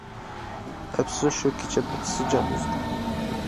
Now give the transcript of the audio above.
ئەپسۇس شۇ كېچە دادىسى جان ئۈزدى.